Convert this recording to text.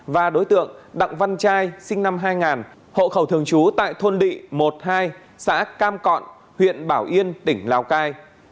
và đối tượng đặng văn trai sinh năm hai nghìn hộ khẩu thường trú tại thôn lị một hai xã cam cọn huyện bảo yên tỉnh lào cai